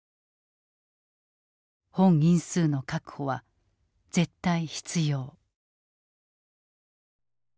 本員数の確保は絶対必要」。